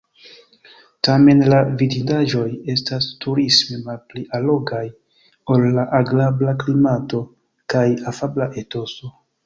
Tamen la vidindaĵoj estas turisme malpli allogaj ol la agrabla klimato kaj afabla etoso.